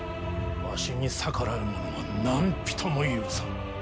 わしに逆らう者は何人も許さぬ。